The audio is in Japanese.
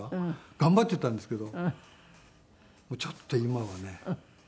頑張っていたんですけどちょっと今はね。